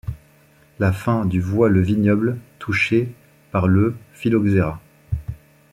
La fin du voit le vignoble touché par le phylloxéra.